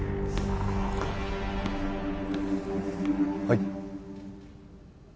はい。